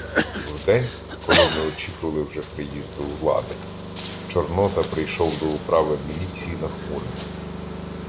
В день, коли ми очікували вже приїзду "влади", Чорнота прийшов до управи міліції нахмурений.